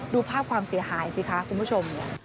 ดูภาพความเสียหายสิคะคุณผู้ชม